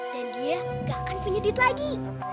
dan dia gak akan punya diet lagi